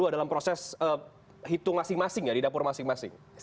dalam proses hitung masing masing ya di dapur masing masing